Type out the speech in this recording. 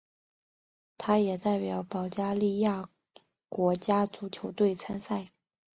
他也代表保加利亚国家足球队参赛。